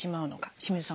清水さん